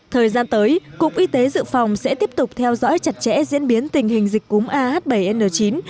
thời gian tới cục y tế dự phòng sẽ tiếp tục theo dõi chặt chẽ diễn biến tình hình dịch cúm ah bảy n chín